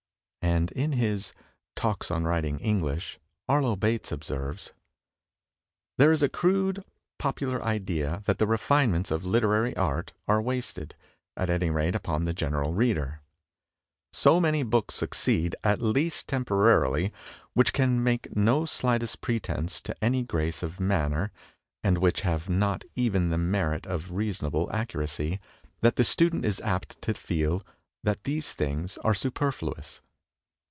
And in his "Talks on Writing English" Arlo Bates observes: "There is a crude popular idea that the refinements of literary art are wasted, at any rate upon the general reader. So many books succeed, at least temporarily, which can make no slightest pretense to any grace of manner, and which have not even the merit of reasonable accuracy, that the student is apt to feel that these things are superfluous."